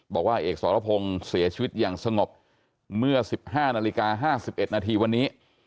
บอกว่าอาเอกสรพงศ์เสียชีวิตอย่างสงบเมื่อสิบห้านาฬิกาห้าสิบเอ็ดนาทีวันนี้